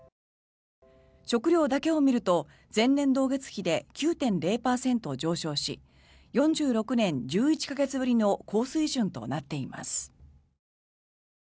食料だけを見ると前年同月比で９．０％上昇し４６年１１か月ぶりの高水準となっています。